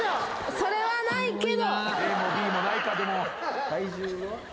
それはないけど。